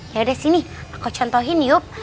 yaudah sini aku contohin yuk